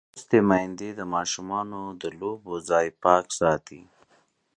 لوستې میندې د ماشومانو د لوبو ځای پاک ساتي.